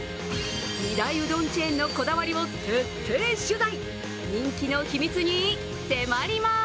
二大うどんチェーンのこだわりを徹底取材。